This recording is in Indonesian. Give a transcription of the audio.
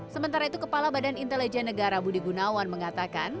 sementara itu kepala badan intelijen negara budi gunawan mengatakan